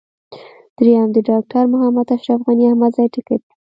درېم: د ډاکټر محمد اشرف غني احمدزي ټکټ.